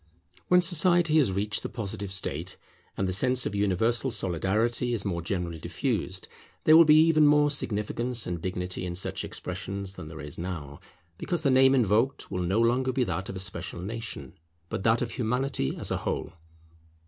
When society has reached the Positive state, and the sense of universal solidarity is more generally diffused, there will be even more significance and dignity in such expressions than there is now, because the name invoked will no longer be that of a special nation, but that of Humanity as a whole.